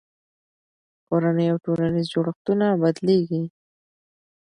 کورنۍ او ټولنیز جوړښتونه بدلېږي.